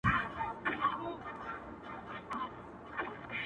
دښمن څه وايي، چي زړه وايي.